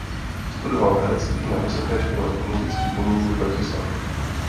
Studoval herectví na Vysoké škole múzických umění v Bratislavě.